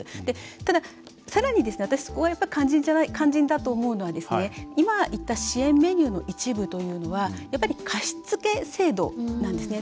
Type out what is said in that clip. ただ、さらに、私そこが肝心だと思うのは今、言った支援メニューの一部というのは貸付制度なんですね。